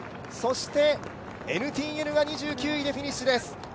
ＮＴＮが２９位でフィニッシュです。